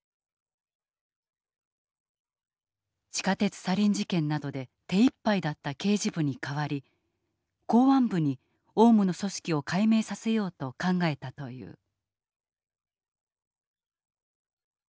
地下鉄サリン事件などで手いっぱいだった刑事部に代わり公安部にオウムの組織を解明させようと考えたという。